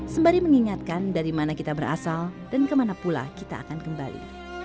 sembari mengingatkan dari mana kita berasal dan kemana pula kita akan kembali